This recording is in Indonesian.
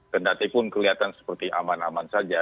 kendatipun kelihatan seperti aman aman saja